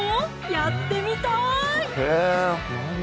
やってみたい！